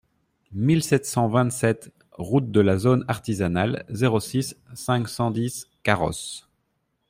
mille sept cent vingt-sept route de la Zone Artisanale, zéro six, cinq cent dix Carros